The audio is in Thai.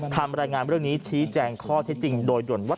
ทำรายงานเรื่องนี้ชี้แจงข้อเท็จจริงโดยด่วนว่า